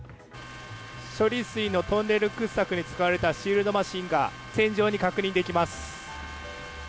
処理水のトンネル掘削に使われたシールドマシンが船上に確認できます。